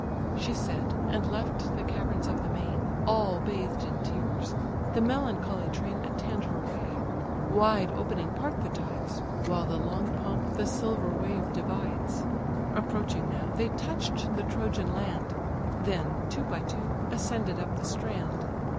She said, and left the caverns of the main, All bathed in tears; the melancholy train Attend her way. Wide opening part the tides, While the long pomp the silver wave divides. Approaching now, they touch'd the Trojan land; Then, two by two, ascended up the strand.